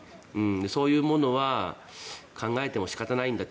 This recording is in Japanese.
そういうものは考えても仕方ないんだ